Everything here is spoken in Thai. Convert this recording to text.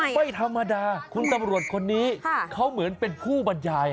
ไม่ธรรมดาคุณตำรวจคนนี้เขาเหมือนเป็นผู้บรรยาย